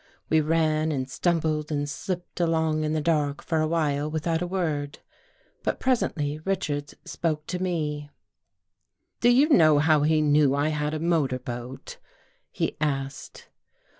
We ran and stumbled and slipped along in the dark for a while without a word. But presently Richards spoke to me. " Do you know how he knew I had a motor boat? " he asked.